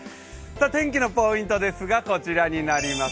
天気のポイントですが、こちらになります。